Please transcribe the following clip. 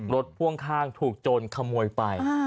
พ่วงข้างถูกโจรขโมยไป